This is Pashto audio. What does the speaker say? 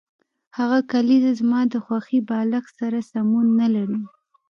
هغه کلیزه زما د خوښې بالښت سره سمون نلري